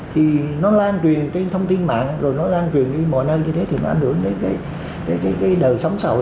thì nó lan truyền trên thông tin mạng rồi nó lan truyền đi mọi nơi như thế thì nó ảnh hưởng đến cái đời sống xã hội